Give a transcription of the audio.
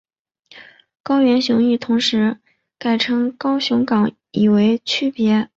原高雄驿同时改称高雄港以为区别。